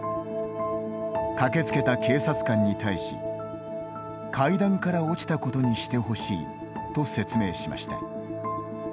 駆けつけた警察官に対し階段から落ちたことにしてほしいと説明しました。